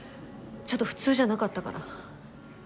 ちょっと普通じゃなかったから。